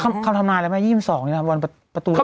มันก็คำถามมาแล้วไหม๒๒นี้ล่ะวันประตูนี้